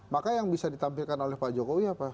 maka yang bisa ditampilkan oleh pak jokowi apa